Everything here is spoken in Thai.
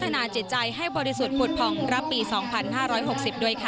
นาจิตใจให้บริสุทธิ์ปวดผ่องรับปี๒๕๖๐ด้วยค่ะ